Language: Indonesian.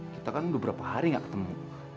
kita kan udah berapa hari gak ketemu